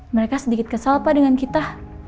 mereka sedikit kesal pak dengan kita